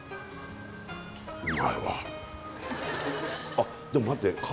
あっでも待って鴨